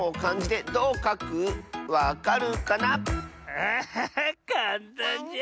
アハハかんたんじゃ。